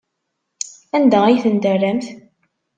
Anda ay ten-terramt?